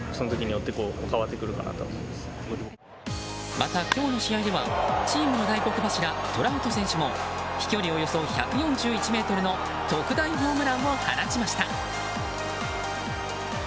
また、今日の試合ではチームの大黒柱トラウト選手も飛距離およそ１４１ｍの特大ホームランを放ちました。